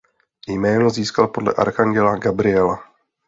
Jméno získal podle archanděla Gabriela.